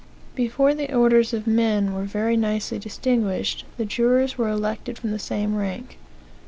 "Before the orders of men were very nicely disinguished, the jurors were elected from the same rank.